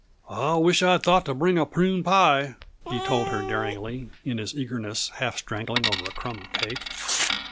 "I wish I'd thought to bring a prune pie," he told her daringly, in his eagerness half strangling over a crumb of cake.